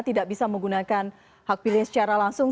tidak bisa menggunakan hak pilih secara langsung